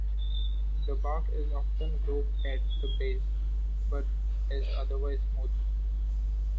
The bark is often grooved at the base, but is otherwise smooth.